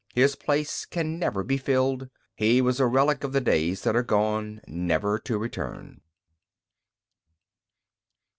His place can never be filled; he was a relic of the days that are gone, never to return.